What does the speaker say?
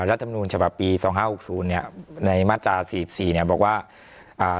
รัฐมนูญฉบับปีสองห้าหกศูนย์เนี้ยในมาตราสี่สิบสี่เนี้ยบอกว่าอ่า